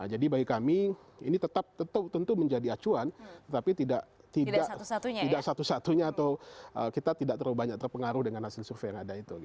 jadi bagi kami ini tetap tentu menjadi acuan tapi tidak satu satunya atau kita tidak terlalu banyak terpengaruh dengan hasil survey yang ada itu